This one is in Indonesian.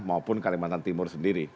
maupun kalimantan timur sendiri